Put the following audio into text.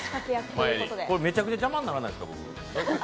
めちゃくちゃ邪魔にならないですか？